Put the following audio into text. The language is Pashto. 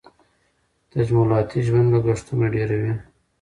تجملاتي ژوند لګښتونه ډېروي.